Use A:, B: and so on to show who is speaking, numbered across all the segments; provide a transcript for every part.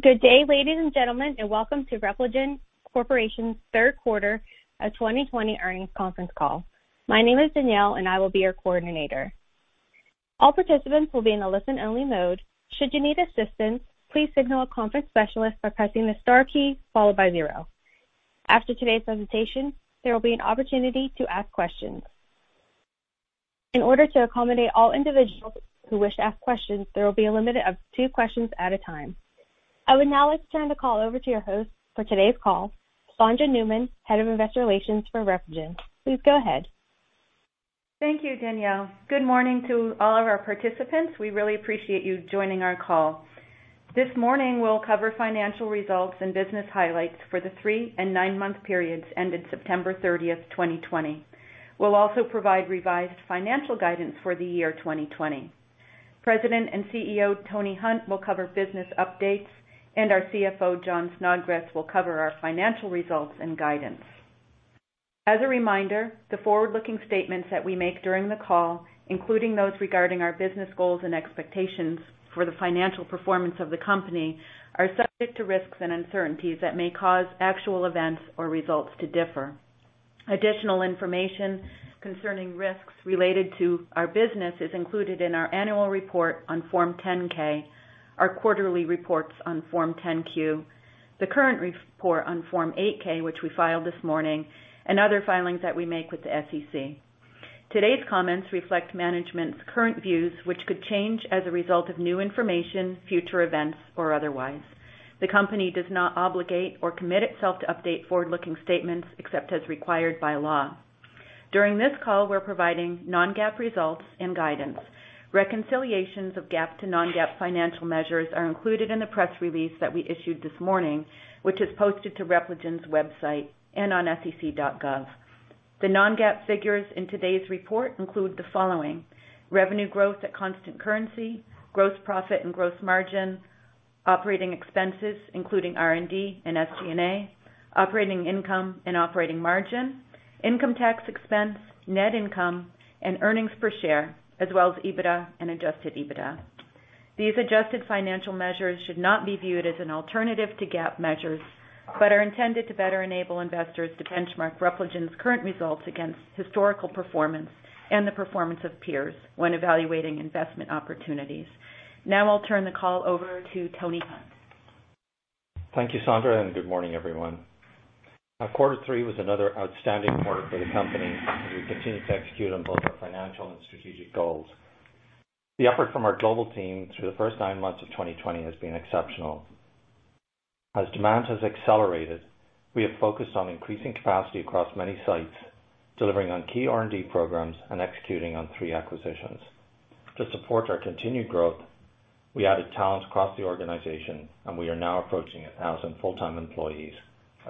A: Good day, ladies and gentlemen, and welcome to Repligen Corporation's third quarter of 2020 earnings conference call. My name is Danielle, and I will be your coordinator. All participants will be in a listen-only mode. Should you need assistance, please signal a conference specialist by pressing the star key followed by zero. After today's presentation, there will be an opportunity to ask questions. In order to accommodate all individuals who wish to ask questions, there will be a limit of two questions at a time. I would now like to turn the call over to your host for today's call, Sondra Newman, Head of Investor Relations for Repligen. Please go ahead.
B: Thank you, Danielle. Good morning to all of our participants. We really appreciate you joining our call. This morning, we'll cover financial results and business highlights for the three and nine-month periods ended September 30, 2020. We'll also provide revised financial guidance for the year 2020. President and CEO Tony Hunt will cover business updates, and our CFO, Jon Snodgres, will cover our financial results and guidance. As a reminder, the forward-looking statements that we make during the call, including those regarding our business goals and expectations for the financial performance of the company, are subject to risks and uncertainties that may cause actual events or results to differ. Additional information concerning risks related to our business is included in our annual report on Form 10-K, our quarterly reports on Form 10-Q, the current report on Form 8-K, which we filed this morning, and other filings that we make with the SEC. Today's comments reflect management's current views, which could change as a result of new information, future events, or otherwise. The company does not obligate or commit itself to update forward-looking statements except as required by law. During this call, we're providing non-GAAP results and guidance. Reconciliations of GAAP to non-GAAP financial measures are included in the press release that we issued this morning, which is posted to Repligen's website and on sec.gov. The non-GAAP figures in today's report include the following: revenue growth at constant currency, gross profit and gross margin, operating expenses including R&D and SG&A, operating income and operating margin, income tax expense, net income, and earnings per share, as well as EBITDA and adjusted EBITDA. These adjusted financial measures should not be viewed as an alternative to GAAP measures but are intended to better enable investors to benchmark Repligen's current results against historical performance and the performance of peers when evaluating investment opportunities. Now I'll turn the call over to Tony Hunt.
C: Thank you, Sondra, and good morning, everyone. Quarter three was another outstanding quarter for the company as we continued to execute on both our financial and strategic goals. The effort from our global team through the first nine months of 2020 has been exceptional. As demand has accelerated, we have focused on increasing capacity across many sites, delivering on key R&D programs and executing on three acquisitions. To support our continued growth, we added talent across the organization, and we are now approaching 1,000 full-time employees,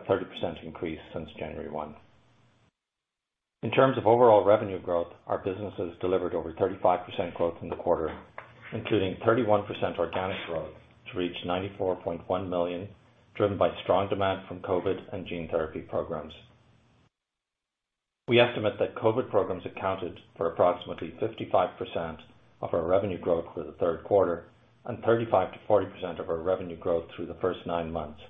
C: a 30% increase since January 1. In terms of overall revenue growth, our business has delivered over 35% growth in the quarter, including 31% organic growth to reach $94.1 million, driven by strong demand from COVID and gene therapy programs. We estimate that COVID programs accounted for approximately 55% of our revenue growth for the third quarter and 35%-40% of our revenue growth through the first nine months,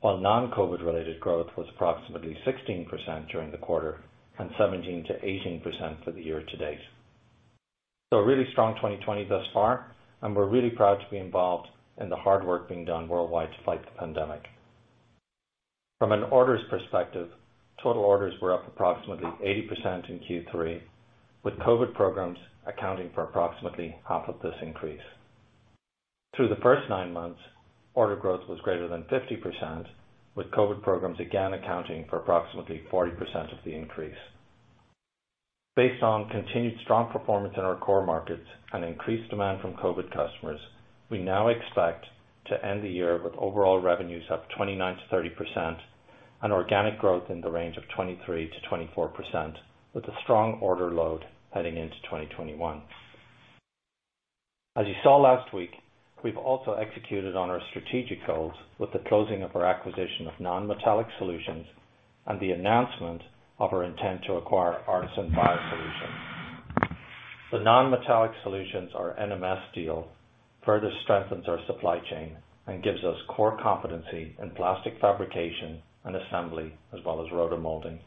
C: while non-COVID-related growth was approximately 16% during the quarter and 17%-18% for the year to date. So, a really strong 2020 thus far, and we're really proud to be involved in the hard work being done worldwide to fight the pandemic. From an orders perspective, total orders were up approximately 80% in Q3, with COVID programs accounting for approximately half of this increase. Through the first nine months, order growth was greater than 50%, with COVID programs again accounting for approximately 40% of the increase. Based on continued strong performance in our core markets and increased demand from COVID customers, we now expect to end the year with overall revenues up 29%-30% and organic growth in the range of 23%-24%, with a strong order load heading into 2021. As you saw last week, we've also executed on our strategic goals with the closing of our acquisition of Non-Metallic Solutions and the announcement of our intent to acquire Artisan BioSolutions. The Non-Metallic Solutions, our NMS deal, further strengthens our supply chain and gives us core competency in plastic fabrication and assembly, as well as rotomolding.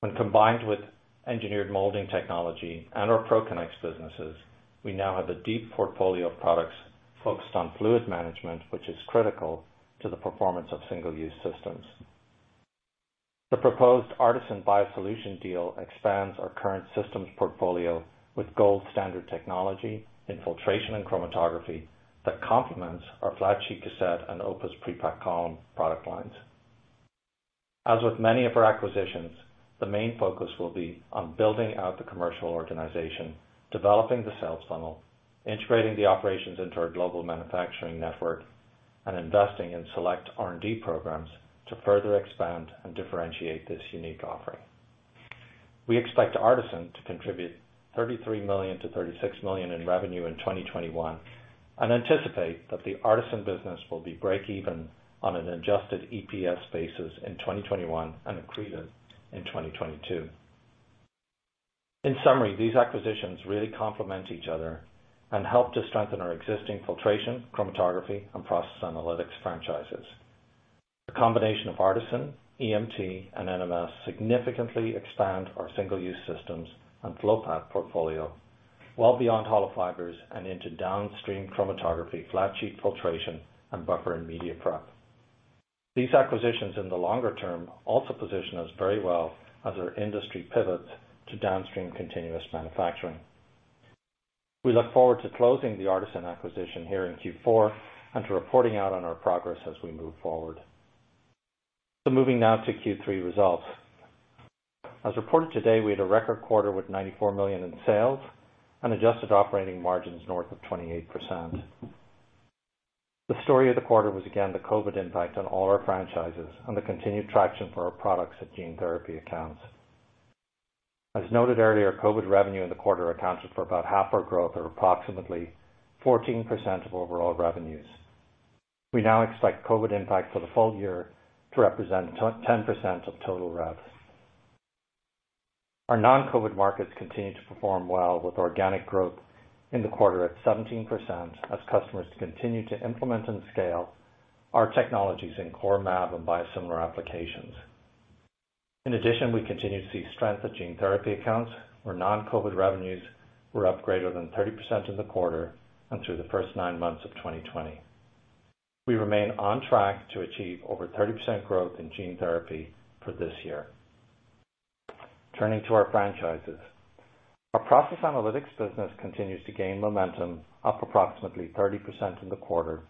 C: When combined with Engineered Molding Technology and our ProConnex businesses, we now have a deep portfolio of products focused on fluid management, which is critical to the performance of single-use systems. The proposed Artisan BioSolutions deal expands our current systems portfolio with gold-standard technology, filtration, and chromatography that complements our flat sheet cassette and Opus pre-packed column product lines. As with many of our acquisitions, the main focus will be on building out the commercial organization, developing the sales funnel, integrating the operations into our global manufacturing network, and investing in select R&D programs to further expand and differentiate this unique offering. We expect Artisan to contribute $33 million-$36 million in revenue in 2021 and anticipate that the Artisan business will be break-even on an adjusted EPS basis in 2021 and accretive in 2022. In summary, these acquisitions really complement each other and help to strengthen our existing filtration, chromatography, and process analytics franchises. The combination of Artisan, EMT, and NMS significantly expands our single-use systems and flow path portfolio well beyond hollow fibers and into downstream chromatography, flat sheet filtration, and buffer and media prep. These acquisitions in the longer term also position us very well as our industry pivots to downstream continuous manufacturing. We look forward to closing the Artisan acquisition here in Q4 and to reporting out on our progress as we move forward. So moving now to Q3 results. As reported today, we had a record quarter with $94 million in sales and adjusted operating margins north of 28%. The story of the quarter was again the COVID impact on all our franchises and the continued traction for our products at gene therapy accounts. As noted earlier, COVID revenue in the quarter accounted for about half our growth or approximately 14% of overall revenues. We now expect COVID-19 impact for the full year to represent 10% of total revenue. Our non-COVID-19 markets continue to perform well with organic growth in the quarter at 17% as customers continue to implement and scale our technologies in core mAb and biosimilar applications. In addition, we continue to see strength at gene therapy accounts where non-COVID-19 revenues were up greater than 30% in the quarter and through the first nine months of 2020. We remain on track to achieve over 30% growth in gene therapy for this year. Turning to our franchises, our process analytics business continues to gain momentum, up approximately 30% in the quarter.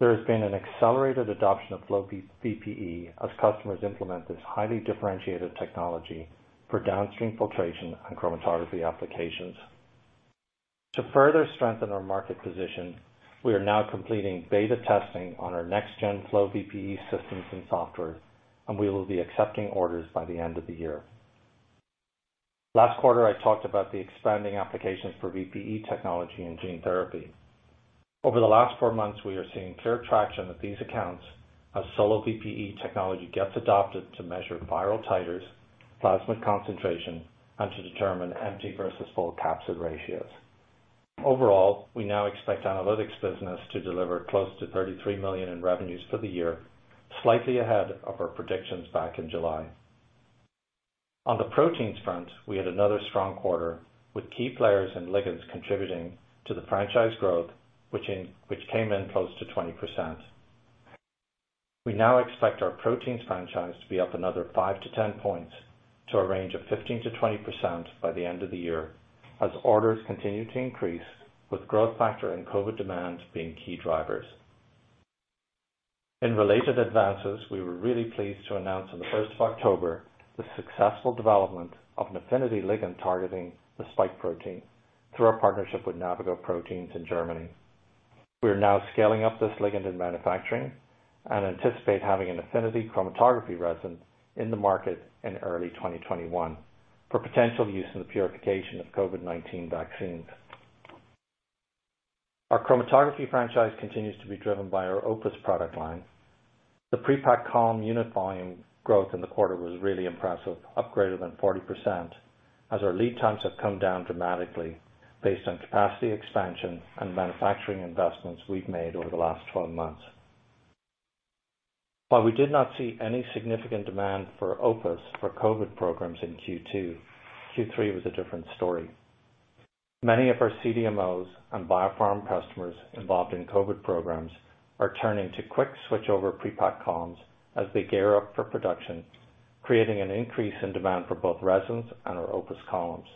C: There has been an accelerated adoption of FlowVPE as customers implement this highly differentiated technology for downstream filtration and chromatography applications. To further strengthen our market position, we are now completing beta testing on our next-gen FlowVPE systems and software, and we will be accepting orders by the end of the year. Last quarter, I talked about the expanding applications for VPE technology in gene therapy. Over the last four months, we are seeing clear traction at these accounts as SoloVPE technology gets adopted to measure viral titers, plasmid concentration, and to determine empty versus full capsid ratios. Overall, we now expect analytics business to deliver close to $33 million in revenues for the year, slightly ahead of our predictions back in July. On the proteins front, we had another strong quarter with key Protein A ligands contributing to the franchise growth, which came in close to 20%. We now expect our proteins franchise to be up another 5 to 10 points to a range of 15%-20% by the end of the year as orders continue to increase, with growth factor and COVID demand being key drivers. In related advances, we were really pleased to announce on the 1st of October the successful development of an affinity ligand targeting the spike protein through our partnership with Navigo Proteins in Germany. We are now scaling up this ligand in manufacturing and anticipate having an affinity chromatography resin in the market in early 2021 for potential use in the purification of COVID-19 vaccines. Our chromatography franchise continues to be driven by our Opus product line. The pre-packed column unit volume growth in the quarter was really impressive, up greater than 40%, as our lead times have come down dramatically based on capacity expansion and manufacturing investments we've made over the last 12 months. While we did not see any significant demand for Opus for COVID programs in Q2, Q3 was a different story. Many of our CDMOs and biopharma customers involved in COVID programs are turning to quick switchover pre-packed columns as they gear up for production, creating an increase in demand for both resins and our Opus columns.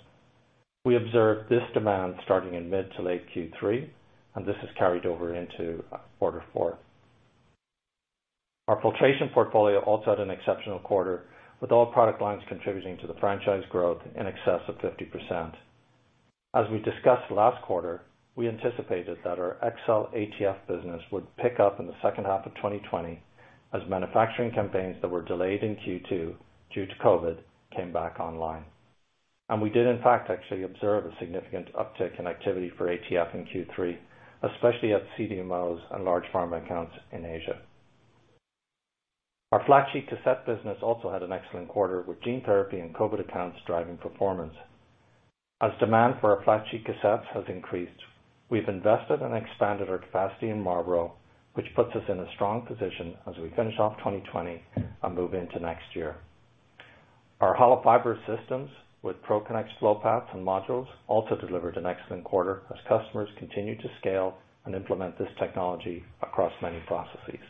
C: We observed this demand starting in mid to late Q3, and this has carried over into quarter four. Our filtration portfolio also had an exceptional quarter, with all product lines contributing to the franchise growth in excess of 50%. As we discussed last quarter, we anticipated that our XCell ATF business would pick up in the second half of 2020 as manufacturing campaigns that were delayed in Q2 due to COVID came back online, and we did, in fact, actually observe a significant uptick in activity for ATF in Q3, especially at CDMOs and large pharma accounts in Asia. Our flat sheet cassette business also had an excellent quarter, with gene therapy and COVID accounts driving performance. As demand for our flat sheet cassettes has increased, we've invested and expanded our capacity in Marlborough, which puts us in a strong position as we finish off 2020 and move into next year. Our hollow fiber systems with ProConnex flow paths and modules also delivered an excellent quarter as customers continue to scale and implement this technology across many processes.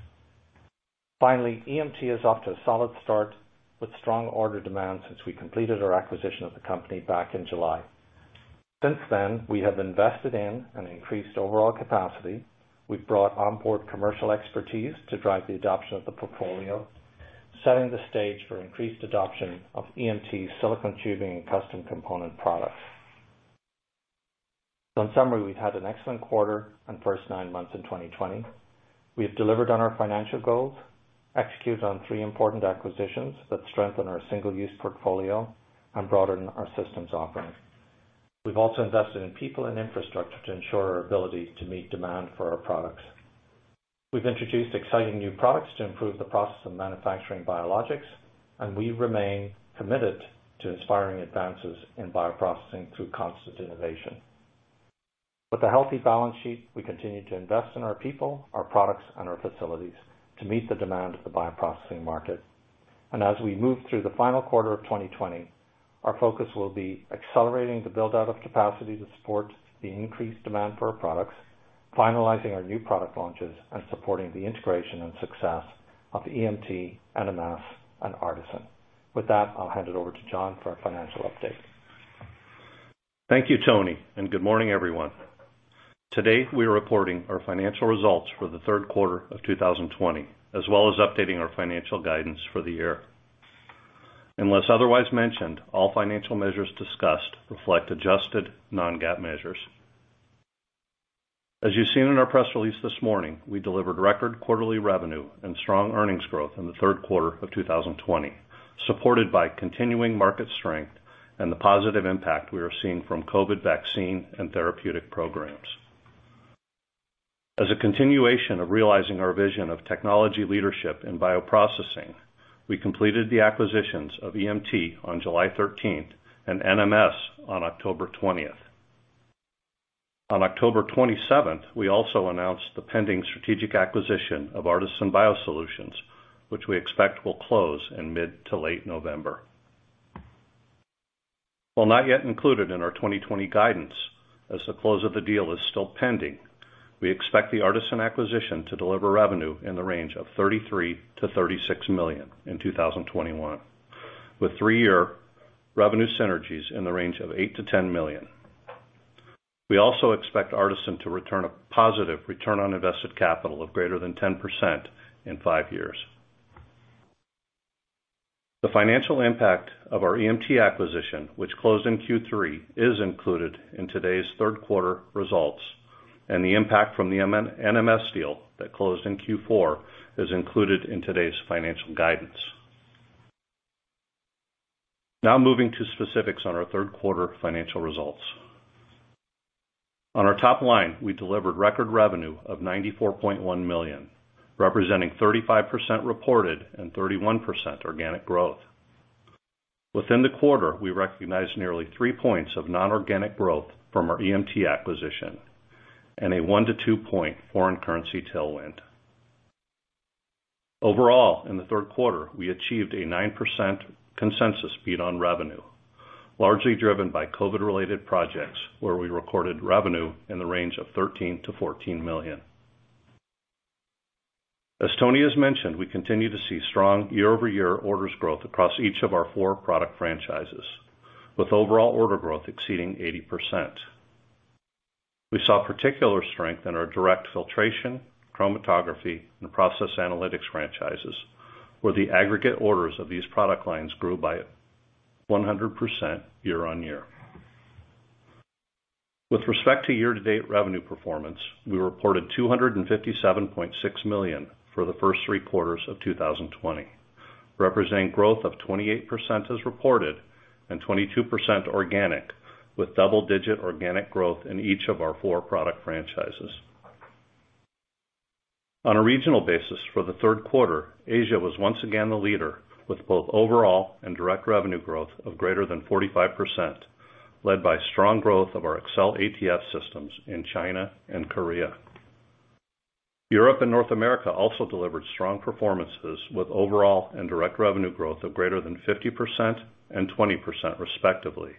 C: Finally, EMT is off to a solid start with strong order demand since we completed our acquisition of the company back in July. Since then, we have invested in and increased overall capacity. We've brought onboard commercial expertise to drive the adoption of the portfolio, setting the stage for increased adoption of EMT silicone tubing and custom component products. In summary, we've had an excellent quarter and first nine months in 2020. We have delivered on our financial goals, executed on three important acquisitions that strengthen our single-use portfolio and broaden our systems offering. We've also invested in people and infrastructure to ensure our ability to meet demand for our products. We've introduced exciting new products to improve the process of manufacturing biologics, and we remain committed to inspiring advances in bioprocessing through constant innovation. With a healthy balance sheet, we continue to invest in our people, our products, and our facilities to meet the demand of the bioprocessing market, and as we move through the final quarter of 2020, our focus will be accelerating the build-out of capacity to support the increased demand for our products, finalizing our new product launches, and supporting the integration and success of EMT, NMS, and Artisan. With that, I'll hand it over to Jon for a financial update.
D: Thank you, Tony, and good morning, everyone. Today, we are reporting our financial results for the third quarter of 2020, as well as updating our financial guidance for the year. Unless otherwise mentioned, all financial measures discussed reflect adjusted non-GAAP measures. As you've seen in our press release this morning, we delivered record quarterly revenue and strong earnings growth in the third quarter of 2020, supported by continuing market strength and the positive impact we are seeing from COVID vaccine and therapeutic programs. As a continuation of realizing our vision of technology leadership in bioprocessing, we completed the acquisitions of EMT on July 13th and NMS on October 20th. On October 27th, we also announced the pending strategic acquisition of Artisan BioSolutions, which we expect will close in mid to late November. While not yet included in our 2020 guidance, as the close of the deal is still pending, we expect the Artisan acquisition to deliver revenue in the range of $33 million-$36 million in 2021, with three-year revenue synergies in the range of $8 million-$10 million. We also expect Artisan to return a positive return on invested capital of greater than 10% in five years. The financial impact of our EMT acquisition, which closed in Q3, is included in today's third quarter results, and the impact from the NMS deal that closed in Q4 is included in today's financial guidance. Now moving to specifics on our third quarter financial results. On our top line, we delivered record revenue of $94.1 million, representing 35% reported and 31% organic growth. Within the quarter, we recognized nearly three points of non-organic growth from our EMT acquisition and a one- to two-point foreign currency tailwind. Overall, in the third quarter, we achieved a 9% consensus beat on revenue, largely driven by COVID-related projects where we recorded revenue in the range of $13 million-$14 million. As Tony has mentioned, we continue to see strong year-over-year orders growth across each of our four product franchises, with overall order growth exceeding 80%. We saw particular strength in our direct filtration, chromatography, and process analytics franchises, where the aggregate orders of these product lines grew by 100% year-on-year. With respect to year-to-date revenue performance, we reported $257.6 million for the first three quarters of 2020, representing growth of 28% as reported and 22% organic, with double-digit organic growth in each of our four product franchises. On a regional basis, for the third quarter, Asia was once again the leader, with both overall and direct revenue growth of greater than 45%, led by strong growth of our XCell ATF systems in China and Korea. Europe and North America also delivered strong performances, with overall and direct revenue growth of greater than 50% and 20%, respectively,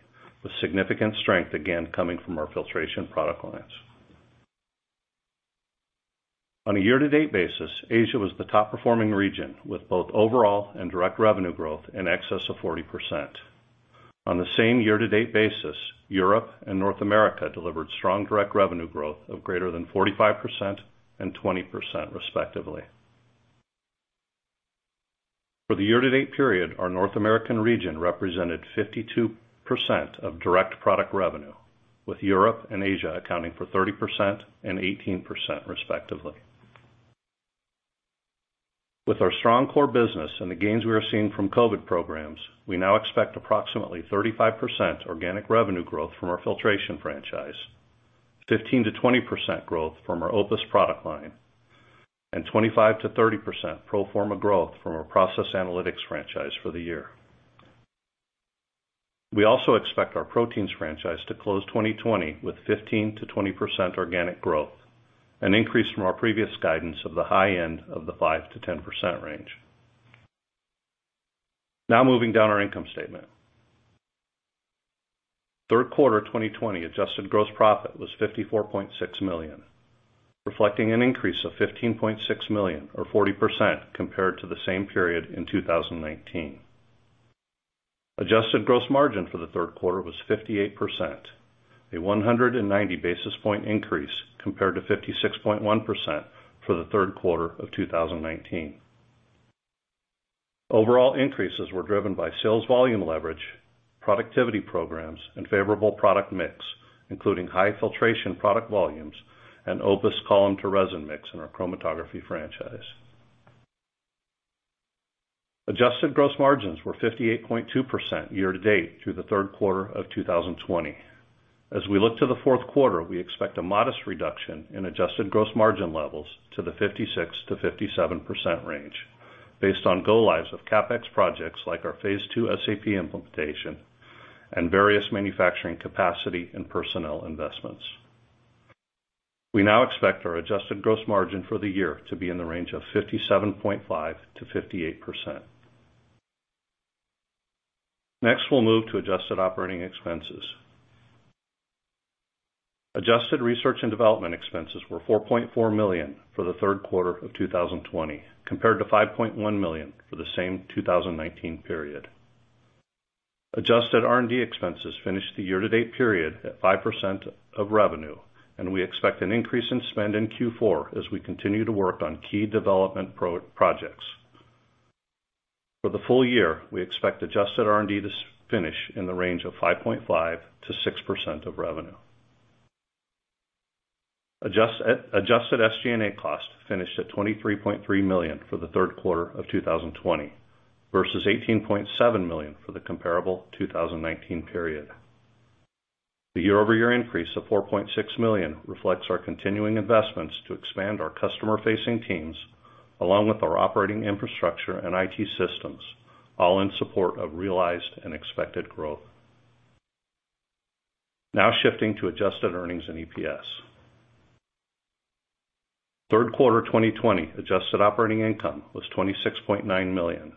D: with significant strength again coming from our filtration product lines. On a year-to-date basis, Asia was the top-performing region, with both overall and direct revenue growth in excess of 40%. On the same year-to-date basis, Europe and North America delivered strong direct revenue growth of greater than 45% and 20%, respectively. For the year-to-date period, our North American region represented 52% of direct product revenue, with Europe and Asia accounting for 30% and 18%, respectively. With our strong core business and the gains we are seeing from COVID programs, we now expect approximately 35% organic revenue growth from our filtration franchise, 15%-20% growth from our Opus product line, and 25%-30% pro forma growth from our process analytics franchise for the year. We also expect our proteins franchise to close 2020 with 15%-20% organic growth, an increase from our previous guidance of the high end of the 5%-10% range. Now moving down our income statement. Third quarter 2020 adjusted gross profit was $54.6 million, reflecting an increase of $15.6 million, or 40%, compared to the same period in 2019. Adjusted gross margin for the third quarter was 58%, a 190 basis point increase compared to 56.1% for the third quarter of 2019. Overall increases were driven by sales volume leverage, productivity programs, and favorable product mix, including high filtration product volumes and Opus column to resin mix in our chromatography franchise. Adjusted gross margins were 58.2% year-to-date through the third quarter of 2020. As we look to the fourth quarter, we expect a modest reduction in adjusted gross margin levels to the 56%-57% range, based on go lives of CapEx projects like our phase two SAP implementation and various manufacturing capacity and personnel investments. We now expect our adjusted gross margin for the year to be in the range of 57.5%-58%. Next, we'll move to adjusted operating expenses. Adjusted research and development expenses were $4.4 million for the third quarter of 2020, compared to $5.1 million for the same 2019 period. Adjusted R&D expenses finished the year-to-date period at 5% of revenue, and we expect an increase in spend in Q4 as we continue to work on key development projects. For the full year, we expect adjusted R&D to finish in the range of 5.5%-6% of revenue. Adjusted SG&A cost finished at $23.3 million for the third quarter of 2020, versus $18.7 million for the comparable 2019 period. The year-over-year increase of $4.6 million reflects our continuing investments to expand our customer-facing teams, along with our operating infrastructure and IT systems, all in support of realized and expected growth. Now shifting to adjusted earnings and EPS. Third quarter 2020 adjusted operating income was $26.9 million,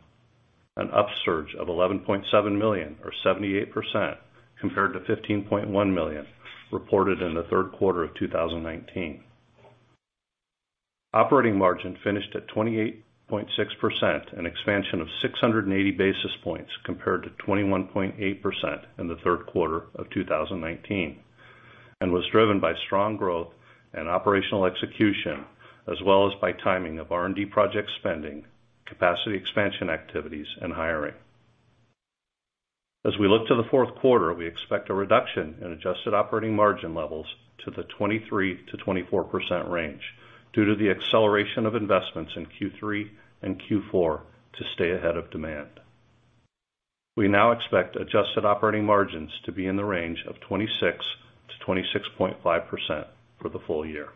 D: an upsurge of $11.7 million, or 78%, compared to $15.1 million reported in the third quarter of 2019. Operating margin finished at 28.6%, an expansion of 680 basis points compared to 21.8% in the third quarter of 2019, and was driven by strong growth and operational execution, as well as by timing of R&D project spending, capacity expansion activities, and hiring. As we look to the fourth quarter, we expect a reduction in adjusted operating margin levels to the 23%-24% range due to the acceleration of investments in Q3 and Q4 to stay ahead of demand. We now expect adjusted operating margins to be in the range of 26%-26.5% for the full year.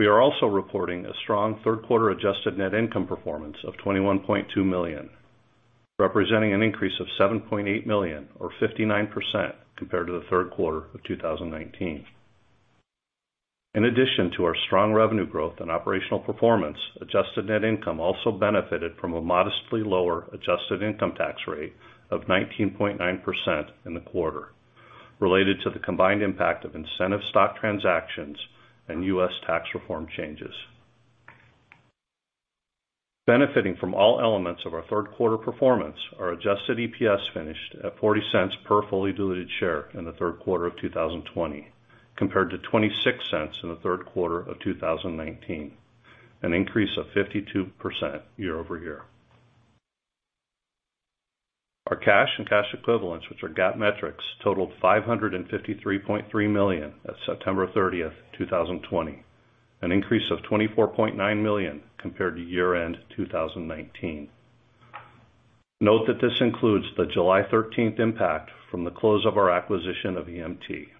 D: We are also reporting a strong third quarter adjusted net income performance of $21.2 million, representing an increase of $7.8 million, or 59%, compared to the third quarter of 2019. In addition to our strong revenue growth and operational performance, adjusted net income also benefited from a modestly lower adjusted income tax rate of 19.9% in the quarter, related to the combined impact of incentive stock transactions and U.S. tax reform changes. Benefiting from all elements of our third quarter performance, our adjusted EPS finished at $0.40 per fully diluted share in the third quarter of 2020, compared to $0.26 in the third quarter of 2019, an increase of 52% year-over-year. Our cash and cash equivalents, which are GAAP metrics, totaled $553.3 million at September 30th, 2020, an increase of $24.9 million compared to year-end 2019. Note that this includes the July 13th impact from the close of our acquisition of EMT.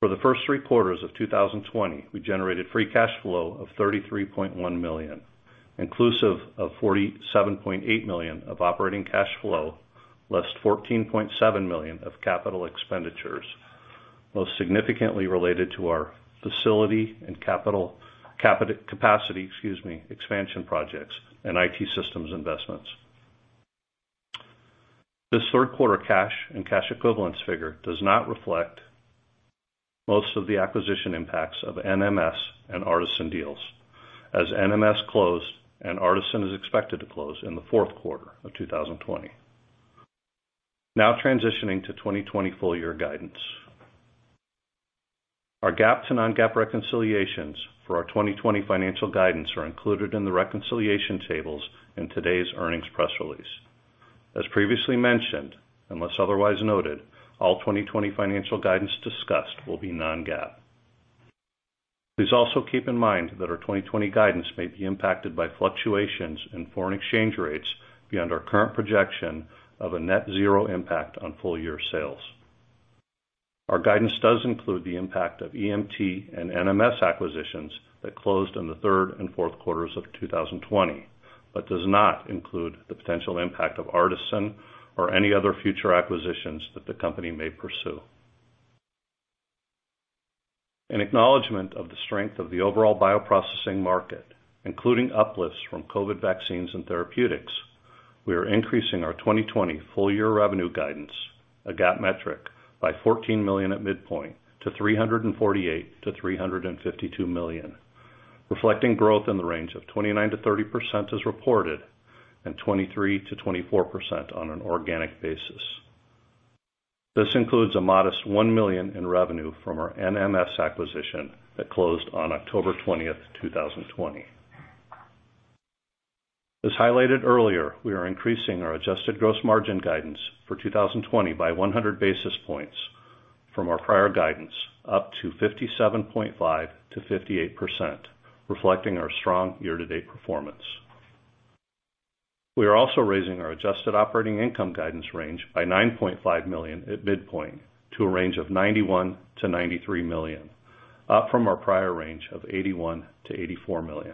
D: For the first three quarters of 2020, we generated free cash flow of $33.1 million, inclusive of $47.8 million of operating cash flow, less $14.7 million of capital expenditures, most significantly related to our facility and capital capacity, excuse me, expansion projects and IT systems investments. This third quarter cash and cash equivalents figure does not reflect most of the acquisition impacts of NMS and Artisan deals, as NMS closed and Artisan is expected to close in the fourth quarter of 2020. Now transitioning to 2020 full-year guidance. Our GAAP to non-GAAP reconciliations for our 2020 financial guidance are included in the reconciliation tables in today's earnings press release. As previously mentioned, unless otherwise noted, all 2020 financial guidance discussed will be non-GAAP. Please also keep in mind that our 2020 guidance may be impacted by fluctuations in foreign exchange rates beyond our current projection of a net zero impact on full-year sales. Our guidance does include the impact of EMT and NMS acquisitions that closed in the third and fourth quarters of 2020, but does not include the potential impact of Artisan or any other future acquisitions that the company may pursue. In acknowledgment of the strength of the overall bioprocessing market, including uplifts from COVID vaccines and therapeutics, we are increasing our 2020 full-year revenue guidance, a GAAP metric, by $14 million at midpoint to $348 million-$352 million, reflecting growth in the range of 29%-30% as reported and 23%-24% on an organic basis. This includes a modest $1 million in revenue from our NMS acquisition that closed on October 20th, 2020. As highlighted earlier, we are increasing our adjusted gross margin guidance for 2020 by 100 basis points from our prior guidance, up to 57.5%-58%, reflecting our strong year-to-date performance. We are also raising our adjusted operating income guidance range by $9.5 million at midpoint to a range of $91 million-$93 million, up from our prior range of $81 million-$84 million.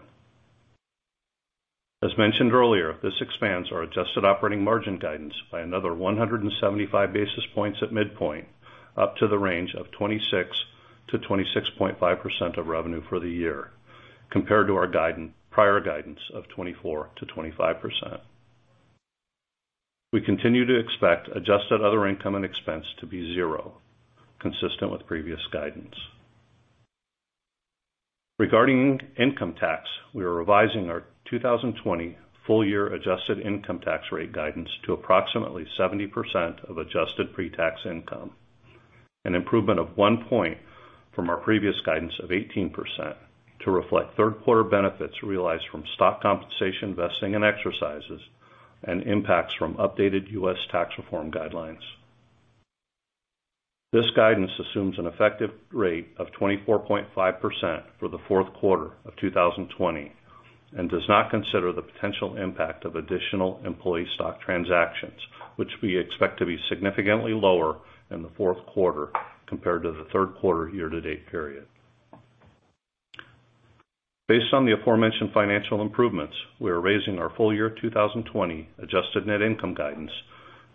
D: As mentioned earlier, this expands our adjusted operating margin guidance by another 175 basis points at midpoint, up to the range of 26%-26.5% of revenue for the year, compared to our prior guidance of 24%-25%. We continue to expect adjusted other income and expense to be zero, consistent with previous guidance. Regarding income tax, we are revising our 2020 full-year adjusted income tax rate guidance to approximately 70% of adjusted pre-tax income, an improvement of 1 point from our previous guidance of 18%, to reflect third quarter benefits realized from stock compensation vesting and exercises and impacts from updated U.S. tax reform guidelines. This guidance assumes an effective rate of 24.5% for the fourth quarter of 2020 and does not consider the potential impact of additional employee stock transactions, which we expect to be significantly lower in the fourth quarter compared to the third quarter year-to-date period. Based on the aforementioned financial improvements, we are raising our full-year 2020 adjusted net income guidance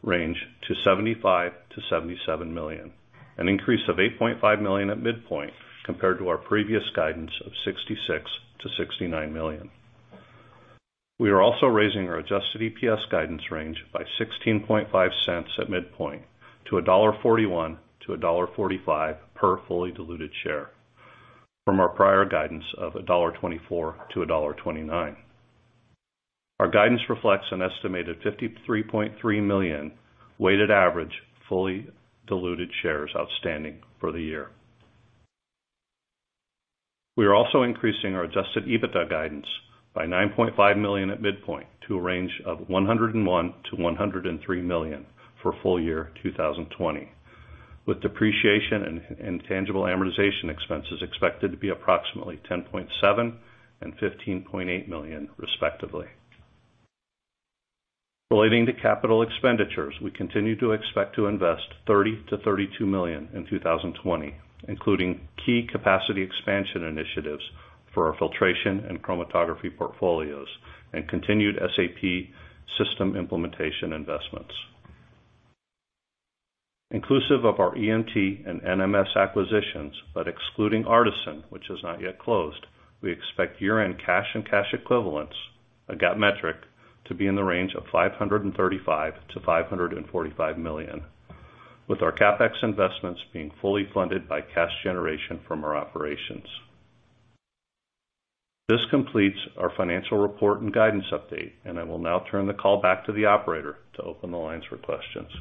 D: range to $75million-$77 million, an increase of $8.5 million at midpoint, compared to our previous guidance of $66million-$69 million. We are also raising our adjusted EPS guidance range by $0.165 at midpoint to $1.41-$1.45 per fully diluted share from our prior guidance of $1.24-$1.29. Our guidance reflects an estimated 53.3 million weighted average fully diluted shares outstanding for the year. We are also increasing our adjusted EBITDA guidance by $9.5 million at midpoint to a range of $101 million-$103 million for full-year 2020, with depreciation and intangible amortization expenses expected to be approximately $10.7 million and $15.8 million, respectively. Relating to capital expenditures, we continue to expect to invest $30 million-$32 million in 2020, including key capacity expansion initiatives for our filtration and chromatography portfolios and continued SAP system implementation investments. Inclusive of our EMT and NMS acquisitions, but excluding Artisan, which has not yet closed, we expect year-end cash and cash equivalents, a GAAP metric, to be in the range of $535 million-$545 million, with our CapEx investments being fully funded by cash generation from our operations. This completes our financial report and guidance update, and I will now turn the call back to the operator to open the lines for questions.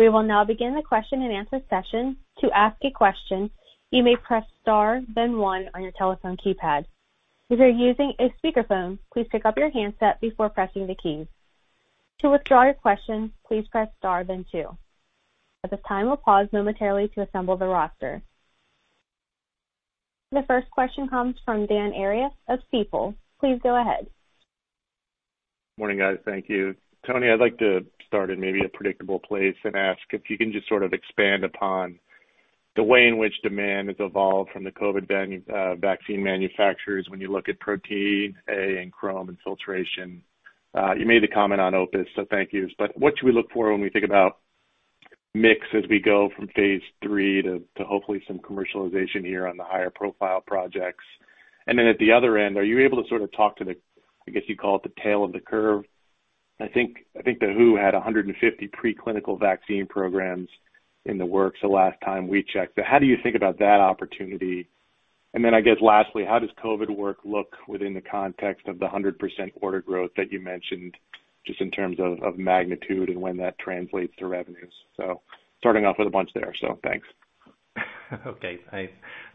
D: We will now begin the question and answer session. To ask a question, you may press star, then one on your telephone keypad. If you're using a speakerphone, please pick up your handset before pressing the keys. To withdraw your question, please press star, then two. At this time, we'll pause momentarily to assemble the roster. The first question comes from Dan Arias of Stifel, please go ahead.
E: Morning, guys. Thank you. Tony, I'd like to start in maybe a predictable place and ask if you can just sort of expand upon the way in which demand has evolved from the COVID vaccine manufacturers when you look at protein A and chromatography and filtration. You made the comment on Opus, so thank you. But what should we look for when we think about mix as we go from phase three to hopefully some commercialization here on the higher profile projects? And then at the other end, are you able to sort of talk to the, I guess you call it the tail of the curve? I think the WHO had 150 preclinical vaccine programs in the works the last time we checked. So how do you think about that opportunity? And then I guess lastly, how does COVID work look within the context of the 100% order growth that you mentioned, just in terms of magnitude and when that translates to revenues? So starting off with a bunch there, so thanks.
C: Okay.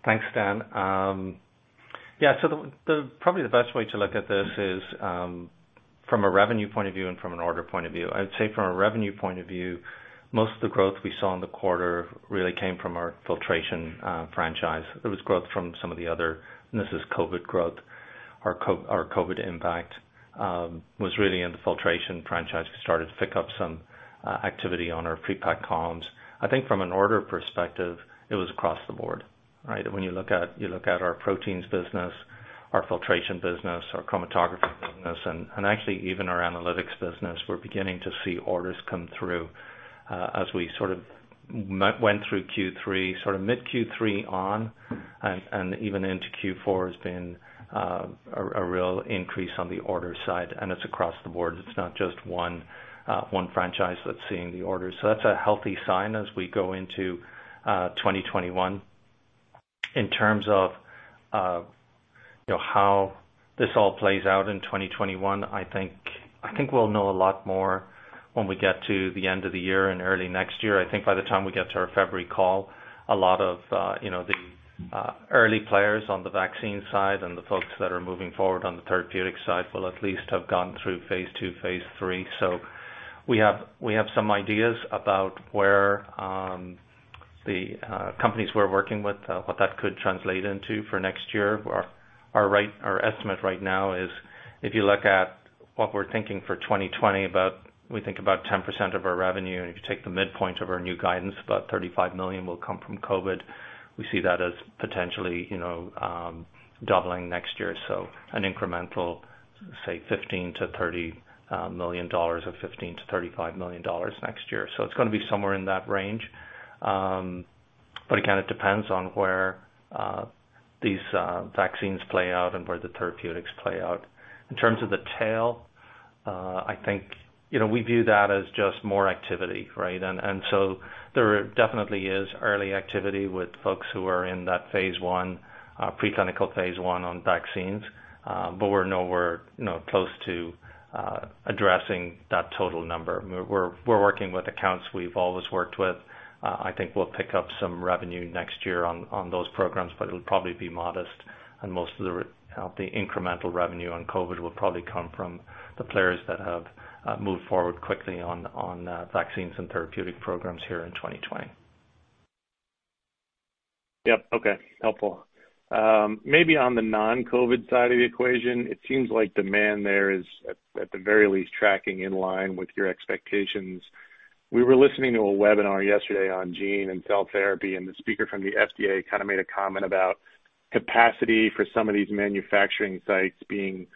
C: Thanks, Dan. Yeah, so probably the best way to look at this is from a revenue point of view and from an order point of view. I would say from a revenue point of view, most of the growth we saw in the quarter really came from our filtration franchise. There was growth from some of the other, and this is COVID growth. Our COVID impact was really in the filtration franchise. We started to pick up some activity on our pre-packed columns. I think from an order perspective, it was across the board, right? When you look at our proteins business, our filtration business, our chromatography business, and actually even our analytics business, we're beginning to see orders come through as we sort of went through Q3, sort of mid-Q3 on, and even into Q4 has been a real increase on the order side and it's across the board. It's not just one franchise that's seeing the orders, so that's a healthy sign as we go into 2021. In terms of how this all plays out in 2021, I think we'll know a lot more when we get to the end of the year and early next year. I think by the time we get to our February call, a lot of the early players on the vaccine side and the folks that are moving forward on the therapeutic side will at least have gone through phase two, phase three. So we have some ideas about where the companies we're working with, what that could translate into for next year. Our estimate right now is if you look at what we're thinking for 2020, we think about 10% of our revenue. And if you take the midpoint of our new guidance, about $35 million will come from COVID. We see that as potentially doubling next year. So an incremental, say, $15-$30 million or $15-$35 million next year. So it's going to be somewhere in that range. But again, it depends on where these vaccines play out and where the therapeutics play out. In terms of the tail, I think we view that as just more activity, right? And so there definitely is early activity with folks who are in that phase one, preclinical phase one on vaccines, but we're nowhere close to addressing that total number. We're working with accounts we've always worked with. I think we'll pick up some revenue next year on those programs, but it'll probably be modest. And most of the incremental revenue on COVID will probably come from the players that have moved forward quickly on vaccines and therapeutic programs here in 2020.
E: Yep. Okay. Helpful. Maybe on the non-COVID side of the equation, it seems like demand there is, at the very least, tracking in line with your expectations. We were listening to a webinar yesterday on gene and cell therapy, and the speaker from the FDA kind of made a comment about capacity for some of these manufacturing sites being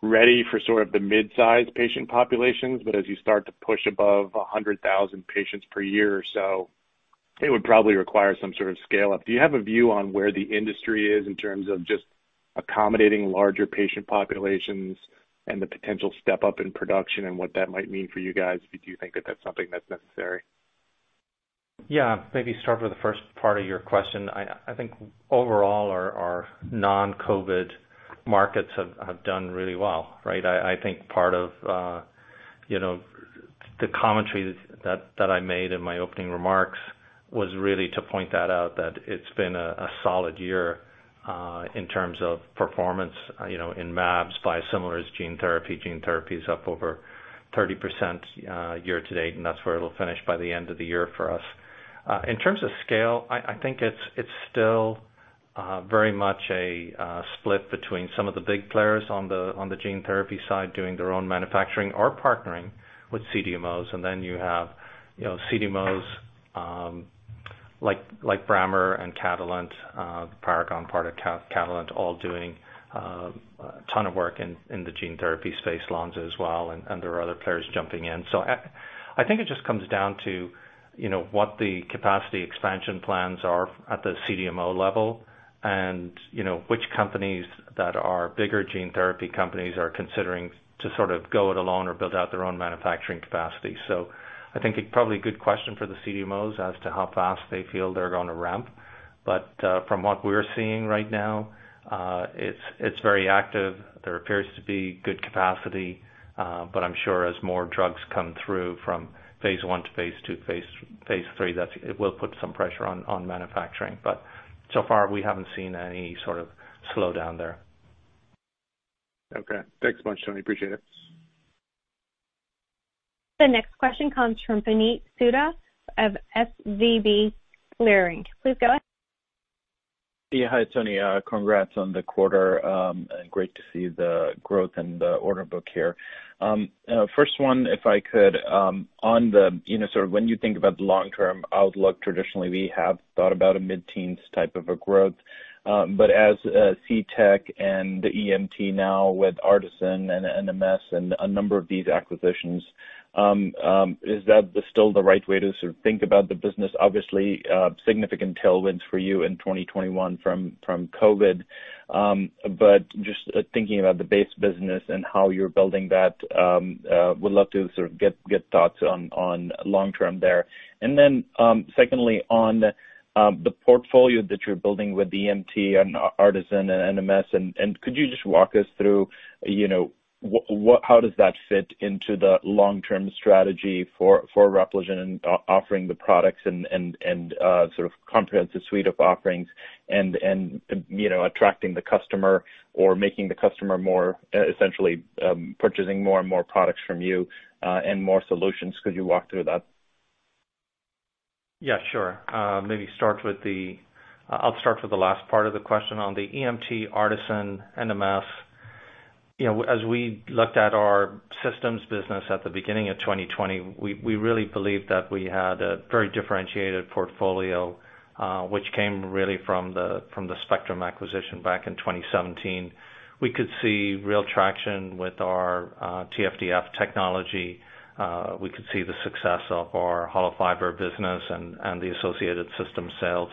E: ready for sort of the mid-size patient populations. But as you start to push above 100,000 patients per year or so, it would probably require some sort of scale-up. Do you have a view on where the industry is in terms of just accommodating larger patient populations and the potential step-up in production and what that might mean for you guys? Do you think that that's something that's necessary?
C: Yeah. Maybe start with the first part of your question. I think overall, our non-COVID markets have done really well, right? I think part of the commentary that I made in my opening remarks was really to point that out, that it's been a solid year in terms of performance in mAbs, biosimilars, gene therapy. Gene therapy is up over 30% year-to-date, and that's where it'll finish by the end of the year for us. In terms of scale, I think it's still very much a split between some of the big players on the gene therapy side doing their own manufacturing or partnering with CDMOs, and then you have CDMOs like Brammer and Catalent, the Paragon part of Catalent, all doing a ton of work in the gene therapy space, Lonza as well, and there are other players jumping in, so I think it just comes down to what the capacity expansion plans are at the CDMO level and which companies that are bigger gene therapy companies are considering to sort of go it alone or build out their own manufacturing capacity, so I think it's probably a good question for the CDMOs as to how fast they feel they're going to ramp, but from what we're seeing right now, it's very active. There appears to be good capacity, but I'm sure as more drugs come through from phase one to phase two, phase three, it will put some pressure on manufacturing. But so far, we haven't seen any sort of slowdown there.
E: Okay. Thanks a bunch, Tony. Appreciate it.
A: The next question comes from Puneet Souda of SVB Leerink. Please go ahead.
F: Yeah. Hi, Tony. Congrats on the quarter, and great to see the growth and the order book here. First one, if I could, on the sort of when you think about the long-term outlook, traditionally, we have thought about a mid-teens type of a growth. But as CTech and the EMT now with Artisan and NMS and a number of these acquisitions, is that still the right way to sort of think about the business? Obviously, significant tailwinds for you in 2021 from COVID. But just thinking about the base business and how you're building that, would love to sort of get thoughts on long-term there. And then secondly, on the portfolio that you're building with EMT and Artisan and NMS, could you just walk us through how does that fit into the long-term strategy for Repligen and offering the products and sort of comprehensive suite of offerings and attracting the customer or making the customer more essentially purchasing more and more products from you and more solutions? Could you walk through that?
C: Yeah, sure. Maybe start with the. I'll start with the last part of the question. On the EMT, Artisan, NMS, as we looked at our systems business at the beginning of 2020, we really believed that we had a very differentiated portfolio, which came really from the Spectrum acquisition back in 2017. We could see real traction with our TFDF technology. We could see the success of our hollow fiber business and the associated system sales,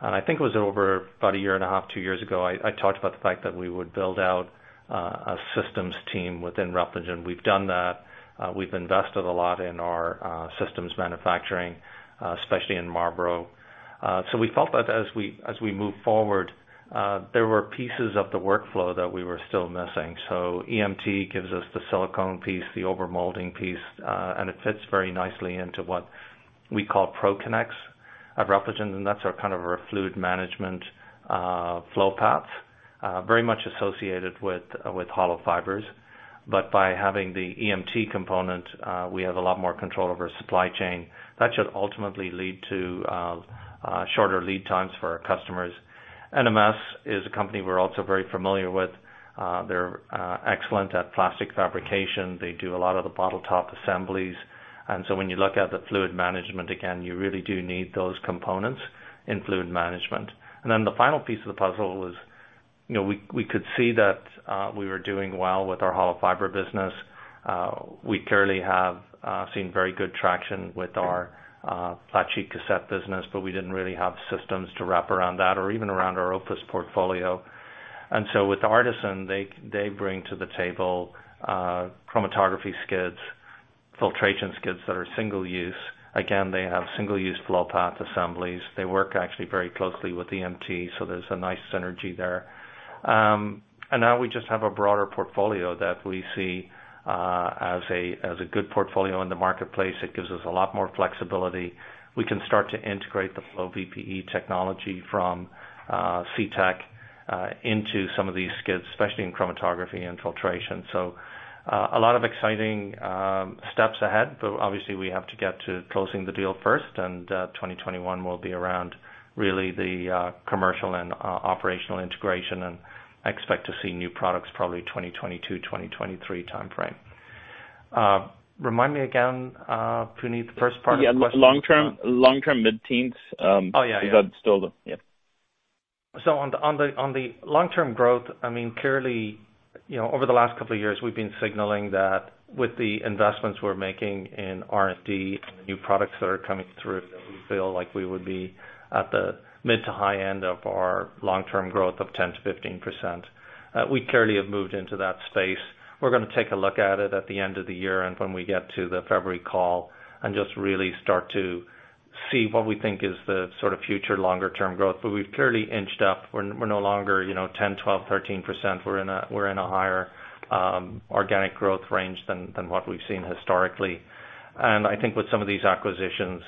C: and I think it was over about a year and a half, two years ago, I talked about the fact that we would build out a systems team within Repligen. We've done that. We've invested a lot in our systems manufacturing, especially in Marlborough. So we felt that as we move forward, there were pieces of the workflow that we were still missing. EMT gives us the silicone piece, the overmolding piece, and it fits very nicely into what we call ProConnex of Repligen. That's our kind of fluid management flow path, very much associated with hollow fibers. By having the EMT component, we have a lot more control over supply chain. That should ultimately lead to shorter lead times for our customers. NMS is a company we're also very familiar with. They're excellent at plastic fabrication. They do a lot of the bottle top assemblies. And so when you look at the fluid management, again, you really do need those components in fluid management. And then the final piece of the puzzle was we could see that we were doing well with our hollow fiber business. We clearly have seen very good traction with our flat sheet cassette business, but we didn't really have systems to wrap around that or even around our Opus portfolio. And so with Artisan, they bring to the table chromatography skids, filtration skids that are single-use. Again, they have single-use flow path assemblies. They work actually very closely with EMT, so there's a nice synergy there. And now we just have a broader portfolio that we see as a good portfolio in the marketplace. It gives us a lot more flexibility. We can start to integrate the FlowVPE technology from CTech into some of these skids, especially in chromatography and filtration. So a lot of exciting steps ahead, but obviously, we have to get to closing the deal first. And 2021 will be around really the commercial and operational integration and expect to see new products probably 2022, 2023 timeframe. Remind me again, Puneet, the first part of the question.
F: Yeah. Long-term mid-teens. Oh, yeah, yeah. Is that still the yeah.
C: So on the long-term growth, I mean, clearly, over the last couple of years, we've been signaling that with the investments we're making in R&D and the new products that are coming through, that we feel like we would be at the mid to high end of our long-term growth of 10%-15%. We clearly have moved into that space. We're going to take a look at it at the end of the year and when we get to the February call and just really start to see what we think is the sort of future longer-term growth. But we've clearly inched up. We're no longer 10%, 12%, 13%. We're in a higher organic growth range than what we've seen historically. And I think with some of these acquisitions,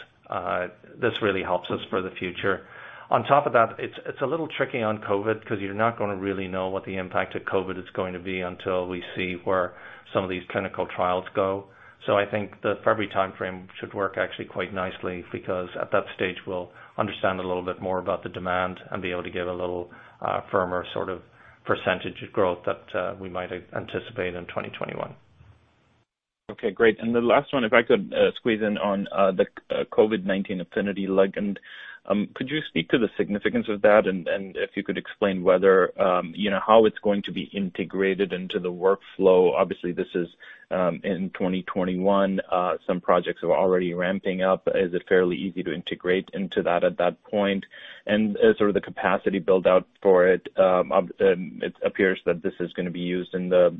C: this really helps us for the future. On top of that, it's a little tricky on COVID because you're not going to really know what the impact of COVID is going to be until we see where some of these clinical trials go. So I think the February timeframe should work actually quite nicely because at that stage, we'll understand a little bit more about the demand and be able to give a little firmer sort of percentage of growth that we might anticipate in 2021. Okay. Great. And the last one, if I could squeeze in on the COVID-19 affinity ligand, could you speak to the significance of that and if you could explain whether how it's going to be integrated into the workflow? Obviously, this is in 2021. Some projects are already ramping up. Is it fairly easy to integrate into that at that point? And sort of the capacity build-out for it, it appears that this is going to be used in the